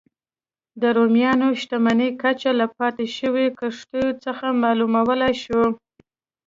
د رومیانو شتمنۍ کچه له پاتې شویو کښتیو څخه معلومولای شو